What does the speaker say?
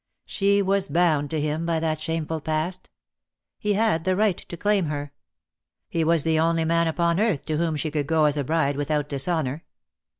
She was bound to him by that shameful past. He had the right to claim her. He was the only man upon earth to whom she could go as a bride without dishonour.